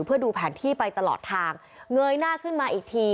เพื่อดูแผนที่ไปตลอดทางเงยหน้าขึ้นมาอีกที